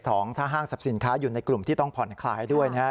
ถ้าห้างสรรพสินค้าอยู่ในกลุ่มที่ต้องผ่อนคลายด้วยนะครับ